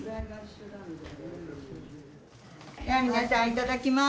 では皆さんいただきます。